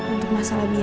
untuk masalah biaya